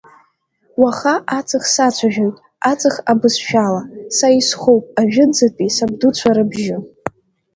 Уаха аҵых сацәажәоит аҵых абызшәала, са исхоуп ажәытәӡатәи сабдуцәа рыбжьы.